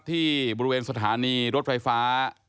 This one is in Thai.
ที่บริเวณสถานีรถไฟฟ้า